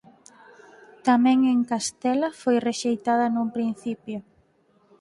Tamén en Castela foi rexeitado nun principio.